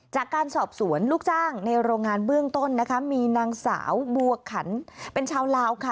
จากการสอบสวนลูกจ้างในโรงงานเบื้องต้นนะคะมีนางสาวบัวขันเป็นชาวลาวค่ะ